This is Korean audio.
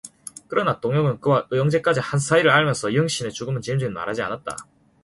그러나 동혁은 그와 의형제까지 한사이를 알면서도 영신의 죽음은 짐짓 말하지 않았다.